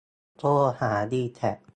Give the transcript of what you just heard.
โทรหาดีแทค